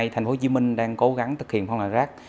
thành phố hồ chí minh đang cố gắng thực hiện phân loại rác